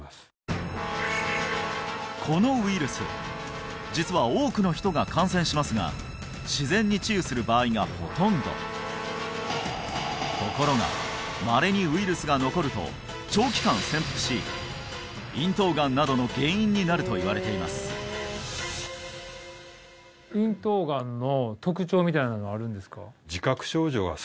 このウイルス実は多くの人が感染しますが自然に治癒する場合がほとんどところがまれにウイルスが残ると長期間潜伏し咽頭がんなどの原因になるといわれていますああ